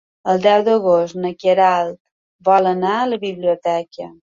El deu d'agost na Queralt vol anar a la biblioteca.